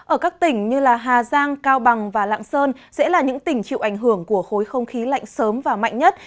ở các tỉnh như hà giang cao bằng và lạng sơn sẽ là những tỉnh chịu ảnh hưởng của khối không khí lạnh sớm và mạnh nhất